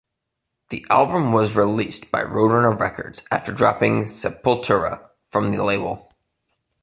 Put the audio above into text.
The album was released by Roadrunner Records after dropping Sepultura from the label.